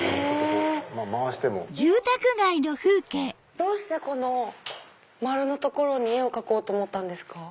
どうしてこの丸の所に絵を描こうと思ったんですか？